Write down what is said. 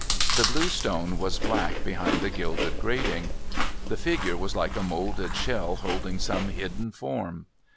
The blue stone was black behind the gilded grating, the figure was like a moulded shell holding some hidden form.